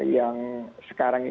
yang sekarang ini